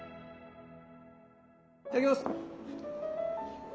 いただきます。